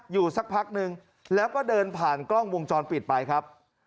สักพักนึงแล้วก็เดินผ่านกล้องวงจรปิดไปครับ